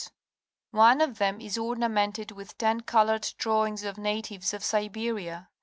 One of them is ornamented with ten colored drawings of natives of Siberia.